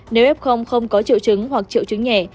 nếu f không có triệu chứng hoặc triệu chứng nhẹ